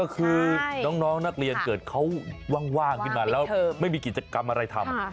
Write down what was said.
คือน้องนักเรียนเกิดเขาว่างขึ้นมาแล้วไม่มีกิจกรรมอะไรทำ